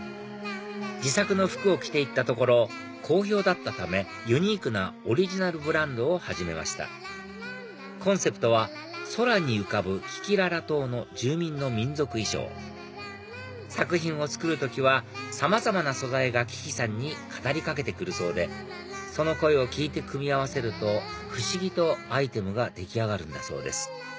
自作の服を着て行ったところ好評だったためユニークなオリジナルブランドを始めましたコンセプトは「空に浮かぶ危機裸裸島の住民の民族衣装」作品を作る時はさまざまな素材がききさんに語り掛けて来るそうでその声を聞いて組み合わせると不思議とアイテムが出来上がるんだそうです